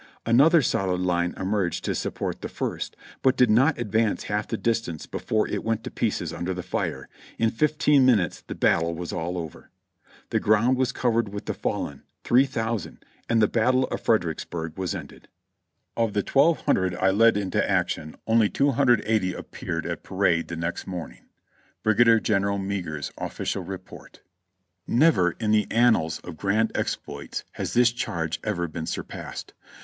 Another solid line emerged to support the first, but did not advance half the distance before it went to pieces under the fire ; in fifteen minutes the battle was all over. The ground was covered with the fallen, three thousand, and the Battle of Fredericksburg was ended. ("Of the 1,200 I lead into action only 280 appeared 3iS JOHNNY re;b and billy yank at parade the next morning." Brigadier General Meagher's Offi cial Report.) Never in the annals of grand exploits has this charge ever been surpassed.